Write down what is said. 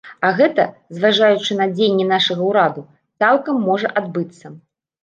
А гэта, зважаючы на дзеянні нашага ўраду, цалкам можа адбыцца.